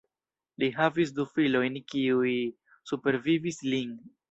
Li havis du filojn kiuj supervivis lin.